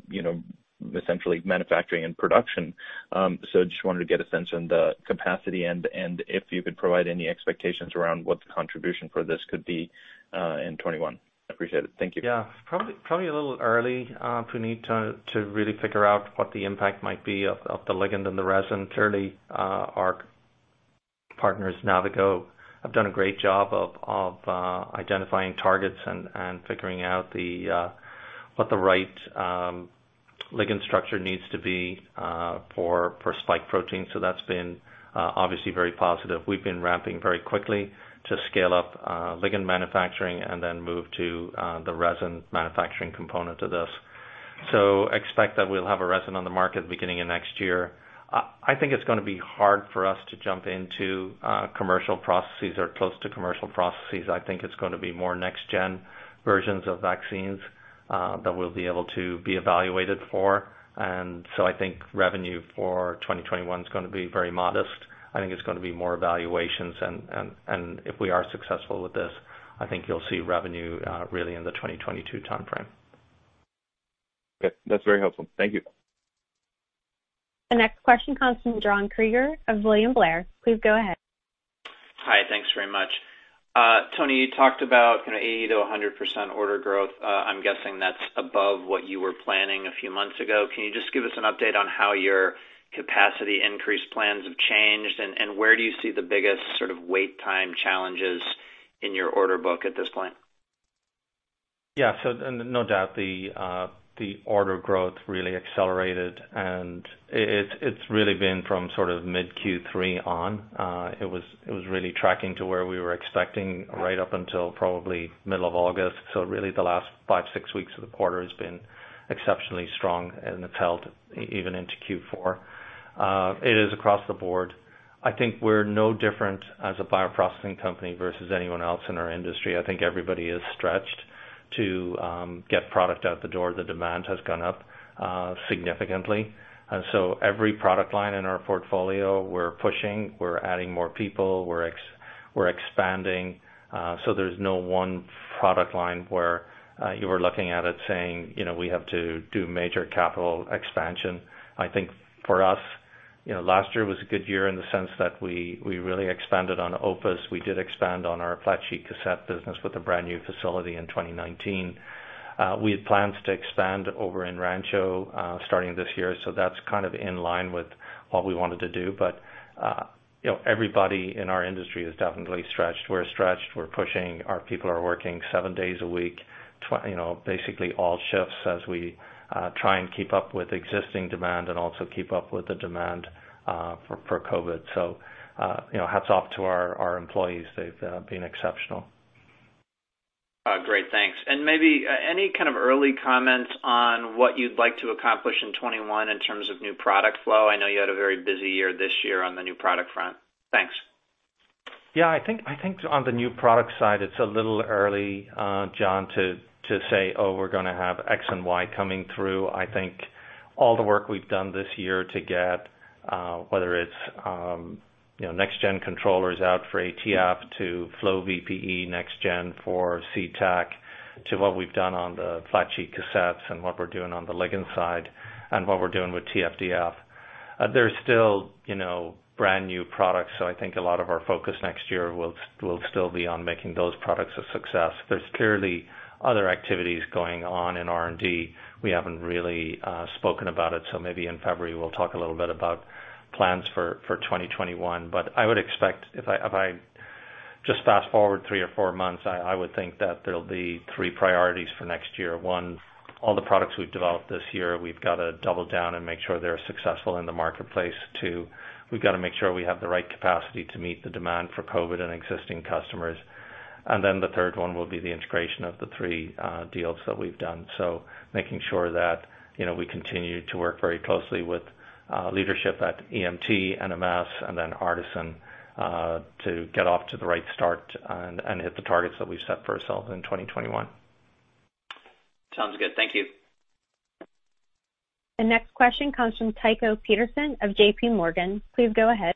C: essentially manufacturing and production. So just wanted to get a sense on the capacity and if you could provide any expectations around what the contribution for this could be in 2021. Appreciate it. Thank you. Yeah. Probably a little early, Puneet, to really figure out what the impact might be of the ligand and the resin. Clearly, our partners Navigo have done a great job of identifying targets and figuring out what the right ligand structure needs to be for spike protein. So that's been obviously very positive. We've been ramping very quickly to scale up ligand manufacturing and then move to the resin manufacturing component of this. So expect that we'll have a resin on the market beginning of next year. I think it's going to be hard for us to jump into commercial processes or close to commercial processes. I think it's going to be more next-gen versions of vaccines that we'll be able to be evaluated for. And so I think revenue for 2021 is going to be very modest. I think it's going to be more evaluations. And if we are successful with this, I think you'll see revenue really in the 2022 timeframe. Okay.
A: That's very helpful. Thank you. The next question comes from John Kreger of William Blair. Please go ahead.
G: Hi. Thanks very much. Tony, you talked about kind of 80%-100% order growth. I'm guessing that's above what you were planning a few months ago. Can you just give us an update on how your capacity increase plans have changed? And where do you see the biggest sort of wait time challenges in your order book at this point?
C: Yeah. So no doubt the order growth really accelerated. And it's really been from sort of mid-Q3 on. It was really tracking to where we were expecting right up until probably middle of August. So really, the last five, six weeks of the quarter has been exceptionally strong, and it's held even into Q4. It is across the board. I think we're no different as a bioprocessing company versus anyone else in our industry. I think everybody is stretched to get product out the door. The demand has gone up significantly. And so every product line in our portfolio, we're pushing. We're adding more people. We're expanding. So there's no one product line where you were looking at it saying, "We have to do major capital expansion." I think for us, last year was a good year in the sense that we really expanded on Opus. We did expand on our flat sheet cassette business with a brand new facility in 2019. We had plans to expand over in Rancho starting this year. So that's kind of in line with what we wanted to do. But everybody in our industry is definitely stretched. We're stretched. We're pushing. Our people are working seven days a week, basically all shifts as we try and keep up with existing demand and also keep up with the demand for COVID. So hats off to our employees. They've been exceptional.
G: Great. Thanks. And maybe any kind of early comments on what you'd like to accomplish in 2021 in terms of new product flow? I know you had a very busy year this year on the new product front. Thanks.
C: Yeah. I think on the new product side, it's a little early, Jon, to say, "Oh, we're going to have X and Y coming through." I think all the work we've done this year to get, whether it's next-gen controllers out for ATF to FlowVPE next-gen for CTEC to what we've done on the flat sheet cassettes and what we're doing on the ligand side and what we're doing with TFDF. There's still brand new products. So I think a lot of our focus next year will still be on making those products a success. There's clearly other activities going on in R&D. We haven't really spoken about it. So maybe in February, we'll talk a little bit about plans for 2021. But I would expect if I just fast forward three or four months, I would think that there'll be three priorities for next year. One, all the products we've developed this year, we've got to double down and make sure they're successful in the marketplace. Two, we've got to make sure we have the right capacity to meet the demand for COVID and existing customers. And then the third one will be the integration of the three deals that we've done. So making sure that we continue to work very closely with leadership at EMT, NMS, and then Artisan to get off to the right start and hit the targets that we've set for ourselves in 2021. Sounds good.
G: Thank you.
A: The next question comes from Tycho Peterson of JPMorgan. Please go ahead.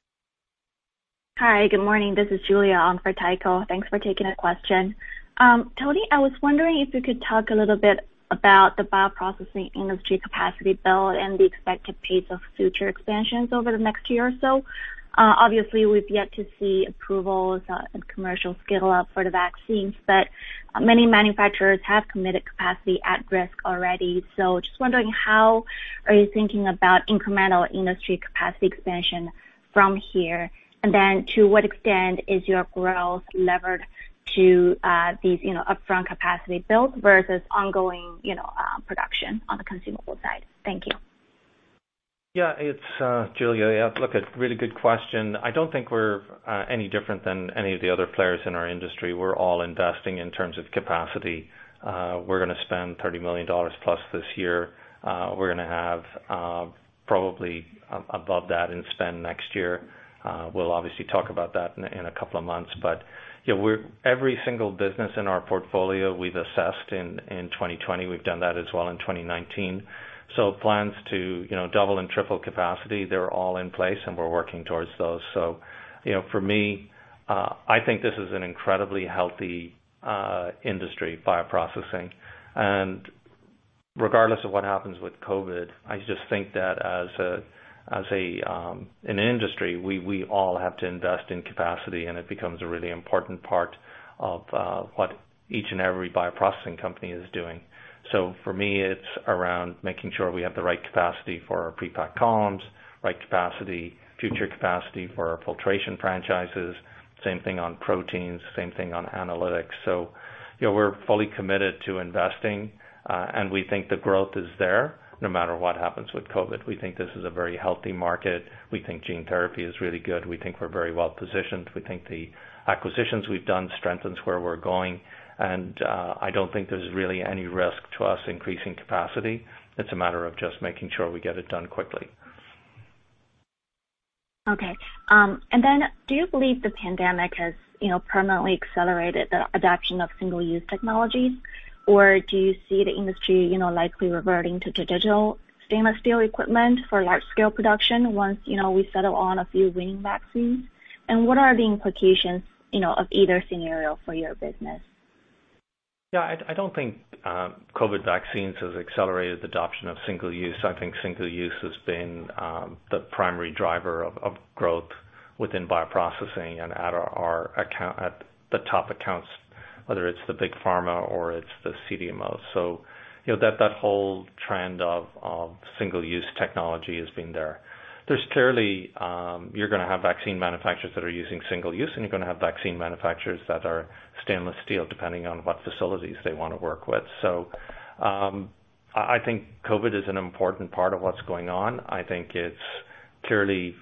H: Hi. Good morning. This is Julia for Tycho. Thanks for taking the question. Tony, I was wondering if you could talk a little bit about the bioprocessing industry capacity build and the expected pace of future expansions over the next year or so. Obviously, we've yet to see approvals and commercial scale-up for the vaccines, but many manufacturers have committed capacity at risk already. So just wondering how are you thinking about incremental industry capacity expansion from here? And then to what extent is your growth levered to these upfront capacity builds versus ongoing production on the consumable side? Thank you.
C: Yeah. It's Julia. Yeah. Look, a really good question. I don't think we're any different than any of the other players in our industry. We're all investing in terms of capacity. We're going to spend $30 million plus this year. We're going to have probably above that in spend next year. We'll obviously talk about that in a couple of months. But every single business in our portfolio we've assessed in 2020. We've done that as well in 2019. So plans to double and triple capacity, they're all in place, and we're working towards those. So for me, I think this is an incredibly healthy industry, bioprocessing. And regardless of what happens with COVID, I just think that as an industry, we all have to invest in capacity, and it becomes a really important part of what each and every bioprocessing company is doing. So for me, it's around making sure we have the right capacity for our prepack columns, right capacity, future capacity for our filtration franchises, same thing on proteins, same thing on analytics. So we're fully committed to investing, and we think the growth is there no matter what happens with COVID. We think this is a very healthy market. We think gene therapy is really good. We think we're very well positioned. We think the acquisitions we've done strengthen where we're going. And I don't think there's really any risk to us increasing capacity. It's a matter of just making sure we get it done quickly.
H: Okay. And then do you believe the pandemic has permanently accelerated the adoption of single-use technologies, or do you see the industry likely reverting to traditional stainless steel equipment for large-scale production once we settle on a few winning vaccines? And what are the implications of either scenario for your business?
C: Yeah. I don't think COVID vaccines have accelerated the adoption of single-use. I think single-use has been the primary driver of growth within bioprocessing and at the top accounts, whether it's the Big Pharma or it's the CDMO. So that whole trend of single-use technology has been there. There's clearly you're going to have vaccine manufacturers that are using single-use, and you're going to have vaccine manufacturers that are stainless steel depending on what facilities they want to work with. So I think COVID is an important part of what's going on. I think it's clearly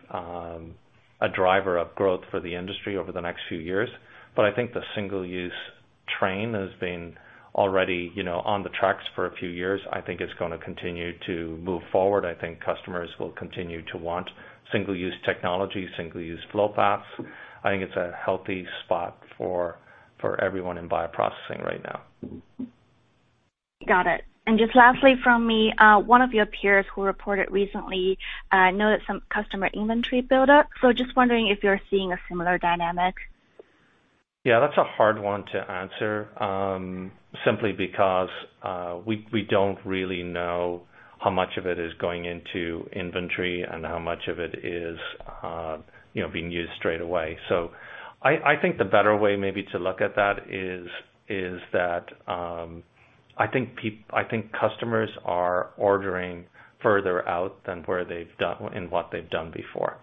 C: a driver of growth for the industry over the next few years. But I think the single-use train has been already on the tracks for a few years. I think it's going to continue to move forward. I think customers will continue to want single-use technology, single-use flow paths. I think it's a healthy spot for everyone in bioprocessing right now.
H: Got it. And just lastly from me, one of your peers who reported recently noticed some customer inventory build-up. So just wondering if you're seeing a similar dynamic.
C: Yeah. That's a hard one to answer simply because we don't really know how much of it is going into inventory and how much of it is being used straight away. So I think the better way maybe to look at that is that I think customers are ordering further out than in what they've done before.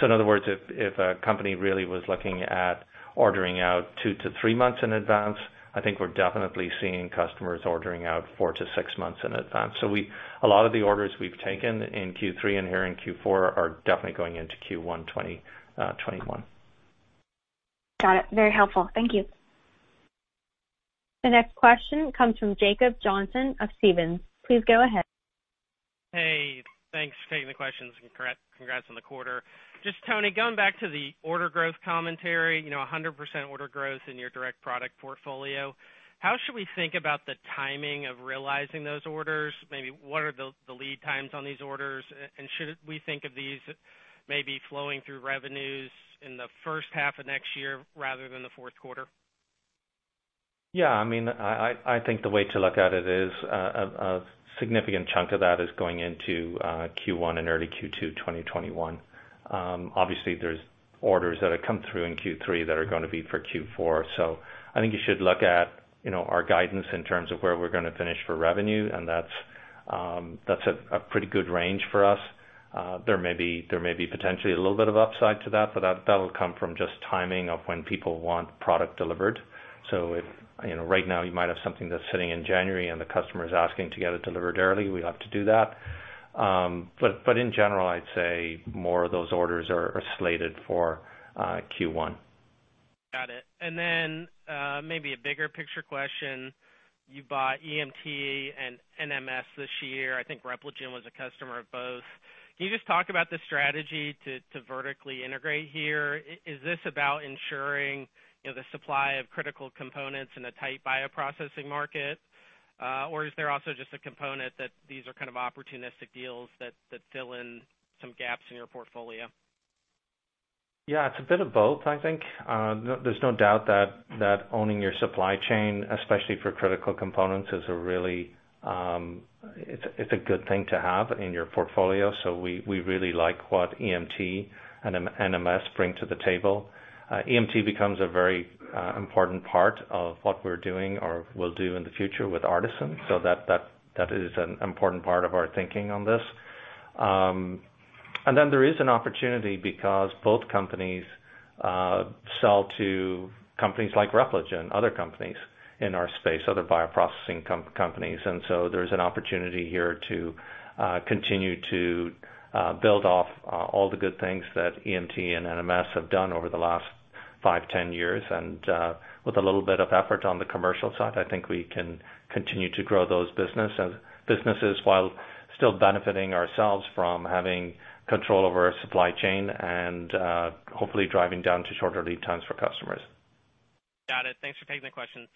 C: So in other words, if a company really was looking at ordering out two to three months in advance, I think we're definitely seeing customers ordering out four to six months in advance. So a lot of the orders we've taken in Q3 and here in Q4 are definitely going into Q1 2021.
H: Got it. Very helpful. Thank you.
A: The next question comes from Jacob Johnson of Stephens. Please go ahead. Hey. Thanks for taking the questions. Congrats on the quarter.
I: Just Tony, going back to the order growth commentary, 100% order growth in your direct product portfolio. How should we think about the timing of realizing those orders? Maybe what are the lead times on these orders? And should we think of these maybe flowing through revenues in the first half of next year rather than the fourth quarter?
C: Yeah. I mean, I think the way to look at it is a significant chunk of that is going into Q1 and early Q2 2021. Obviously, there's orders that have come through in Q3 that are going to be for Q4. So I think you should look at our guidance in terms of where we're going to finish for revenue, and that's a pretty good range for us. There may be potentially a little bit of upside to that, but that'll come from just timing of when people want product delivered. So right now, you might have something that's sitting in January, and the customer is asking to get it delivered early. We have to do that. But in general, I'd say more of those orders are slated for Q1.
I: Got it. And then maybe a bigger picture question. You bought EMT and NMS this year. I think Repligen was a customer of both. Can you just talk about the strategy to vertically integrate here? Is this about ensuring the supply of critical components in a tight bioprocessing market, or is there also just a component that these are kind of opportunistic deals that fill in some gaps in your portfolio?
C: Yeah. It's a bit of both, I think. There's no doubt that owning your supply chain, especially for critical components, is a really good thing to have in your portfolio. So we really like what EMT and NMS bring to the table. EMT becomes a very important part of what we're doing or will do in the future with Artisan. So that is an important part of our thinking on this. And then there is an opportunity because both companies sell to companies like Repligen, other companies in our space, other bioprocessing companies. And so there's an opportunity here to continue to build off all the good things that EMT and NMS have done over the last 5, 10 years. And with a little bit of effort on the commercial side, I think we can continue to grow those businesses while still benefiting ourselves from having control over our supply chain and hopefully driving down to shorter lead times for customers.
A: Got it. Thanks for taking the questions.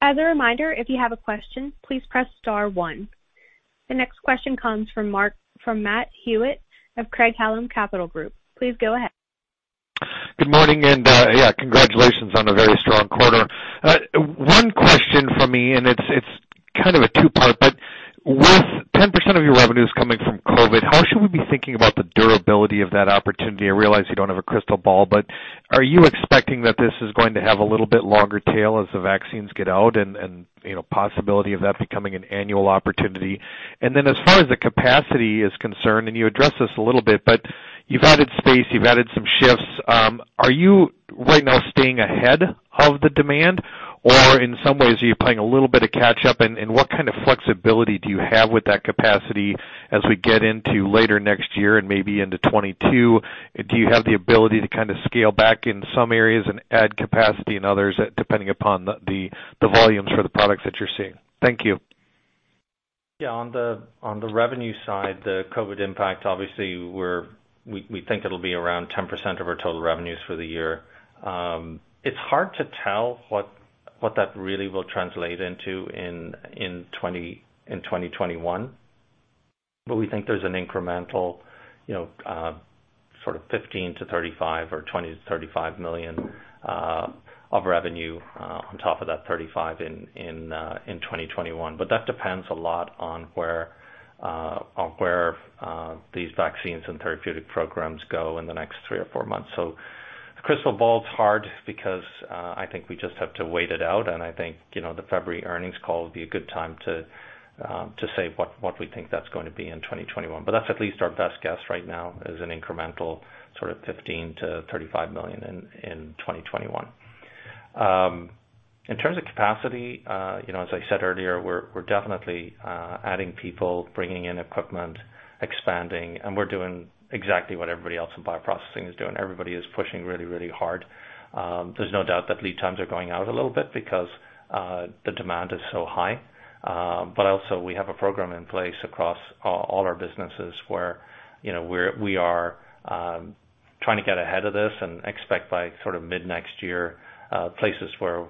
A: As a reminder, if you have a question, please press star one. The next question comes from Matt Hewitt of Craig-Hallum Capital Group. Please go ahead.
J: Good morning. And yeah, congratulations on a very strong quarter. One question from me, and it's kind of a two-part, but with 10% of your revenues coming from COVID, how should we be thinking about the durability of that opportunity? I realize you don't have a crystal ball, but are you expecting that this is going to have a little bit longer tail as the vaccines get out and the possibility of that becoming an annual opportunity? And then as far as the capacity is concerned, and you addressed this a little bit, but you've added space, you've added some shifts. Are you right now staying ahead of the demand, or in some ways, are you playing a little bit of catch-up? What kind of flexibility do you have with that capacity as we get into later next year and maybe into 2022? Do you have the ability to kind of scale back in some areas and add capacity in others depending upon the volumes for the products that you're seeing? Thank you.
C: Yeah. On the revenue side, the COVID impact, obviously, we think it'll be around 10% of our total revenues for the year. It's hard to tell what that really will translate into in 2021, but we think there's an incremental sort of $15-$35 million or $20-$35 million of revenue on top of that $35 million in 2021. But that depends a lot on where these vaccines and therapeutic programs go in the next three or four months. So the crystal ball's hard because I think we just have to wait it out. I think the February earnings call would be a good time to say what we think that's going to be in 2021. But that's at least our best guess right now is an incremental sort of $15 million-$35 million in 2021. In terms of capacity, as I said earlier, we're definitely adding people, bringing in equipment, expanding, and we're doing exactly what everybody else in bioprocessing is doing. Everybody is pushing really, really hard. There's no doubt that lead times are going out a little bit because the demand is so high. But also, we have a program in place across all our businesses where we are trying to get ahead of this and expect by sort of mid-next year, places where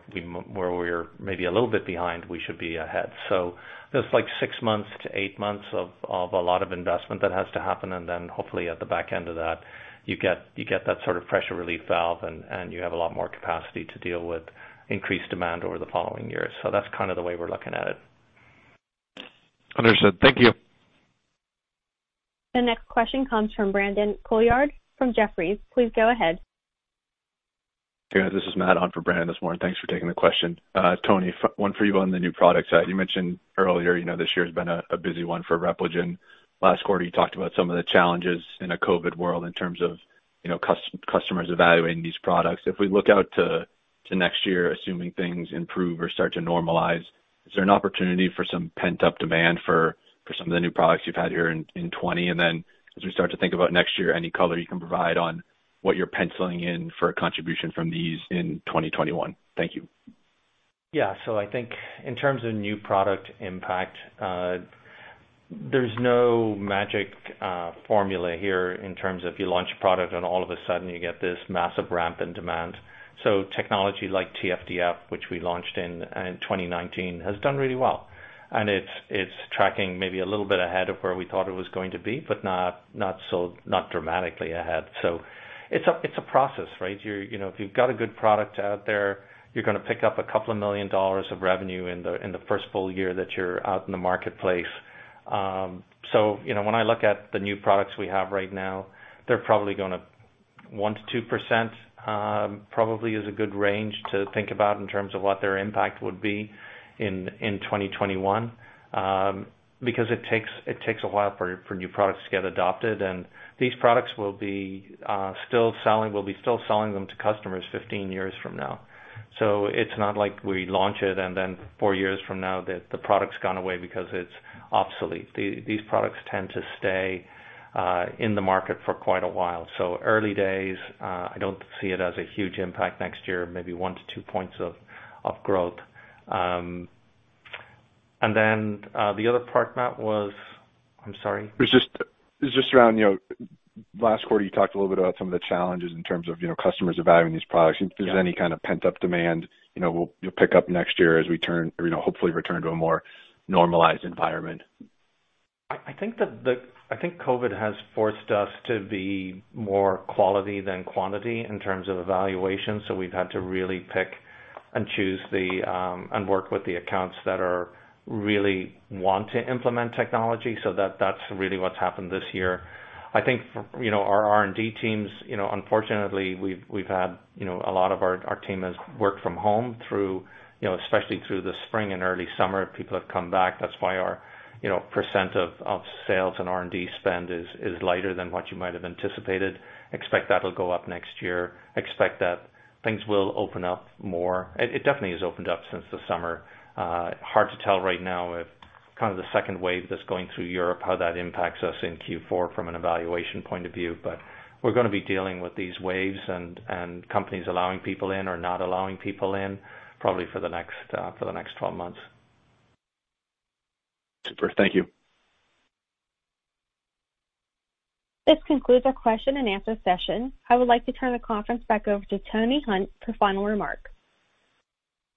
C: we're maybe a little bit behind, we should be ahead. So there's like six months to eight months of a lot of investment that has to happen. And then hopefully, at the back end of that, you get that sort of pressure relief valve, and you have a lot more capacity to deal with increased demand over the following years. So that's kind of the way we're looking at it.
J: Understood. Thank you.
A: The next question comes from Brandon Couillard from Jefferies. Please go ahead.
K: This is Matt on for Brandon this morning. Thanks for taking the question. Tony, one for you on the new product side. You mentioned earlier this year has been a busy one for Repligen. Last quarter, you talked about some of the challenges in a COVID world in terms of customers evaluating these products. If we look out to next year, assuming things improve or start to normalize, is there an opportunity for some pent-up demand for some of the new products you've had here in 2020? And then as we start to think about next year, any color you can provide on what you're penciling in for a contribution from these in 2021? Thank you.
C: Yeah. So I think in terms of new product impact, there's no magic formula here in terms of you launch a product and all of a sudden you get this massive ramp in demand. So technology like TFDF, which we launched in 2019, has done really well. And it's tracking maybe a little bit ahead of where we thought it was going to be, but not dramatically ahead. So it's a process, right? If you've got a good product out there, you're going to pick up $2 million of revenue in the first full year that you're out in the marketplace, so when I look at the new products we have right now, they're probably going to 1%-2% probably is a good range to think about in terms of what their impact would be in 2021 because it takes a while for new products to get adopted, and these products will be still selling, we'll be still selling them to customers 15 years from now, so it's not like we launch it and then four years from now that the product's gone away because it's obsolete. These products tend to stay in the market for quite a while. So early days, I don't see it as a huge impact next year, maybe one to two points of growth. And then the other part, Matt, was. I'm sorry. It's just around last quarter, you talked a little bit about some of the challenges in terms of customers evaluating these products. If there's any kind of pent-up demand, we'll pick up next year as we hopefully return to a more normalized environment. I think COVID has forced us to be more quality than quantity in terms of evaluation. So we've had to really pick and choose and work with the accounts that really want to implement technology. So that's really what's happened this year. I think our R&D teams, unfortunately, we've had a lot of our team has worked from home through, especially through the spring and early summer, people have come back. That's why our % of sales and R&D spend is lighter than what you might have anticipated. Expect that'll go up next year. Expect that things will open up more. It definitely has opened up since the summer. Hard to tell right now if kind of the second wave that's going through Europe, how that impacts us in Q4 from an evaluation point of view. But we're going to be dealing with these waves and companies allowing people in or not allowing people in probably for the next 12 months.
K: Super. Thank you.
A: This concludes our question and answer session. I would like to turn the conference back over to Tony Hunt for final remark.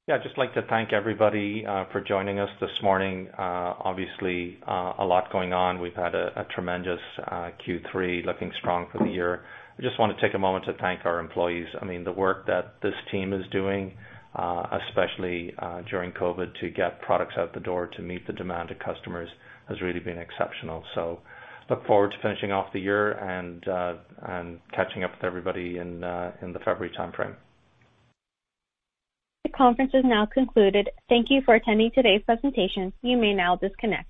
C: Yeah. I'd just like to thank everybody for joining us this morning. Obviously, a lot going on. We've had a tremendous Q3, looking strong for the year. I just want to take a moment to thank our employees. I mean, the work that this team is doing, especially during COVID, to get products out the door to meet the demand of customers has really been exceptional. So look forward to finishing off the year and catching up with everybody in the February timeframe.
A: The conference is now concluded. Thank you for attending today's presentation. You may now disconnect.